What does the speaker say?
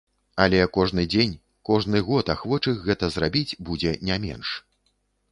Але кожны дзень, кожны год ахвочых гэта зрабіць будзе не менш.